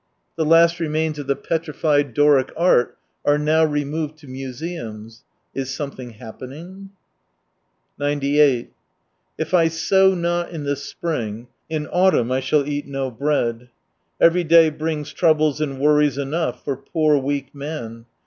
The last remains of the petrified Doric art are now removed to museums. ... Is something happen ing ? If I sow not in the spring, in autumn I shall eat no bread. Every day brings troubles and worries enough for poor, weak man.